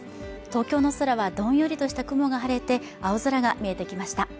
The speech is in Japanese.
東京の空はどんよりとした雲が晴れて青空が見えてきました